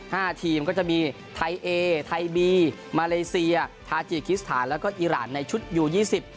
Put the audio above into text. ห้าทีมก็จะมีไทยเอไทยบีมาเลเซียทาจีคิสถานแล้วก็อีรานในชุดยูยี่สิบ